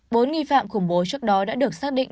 bốn nghi phạm khủng bố trước đó đã được xác định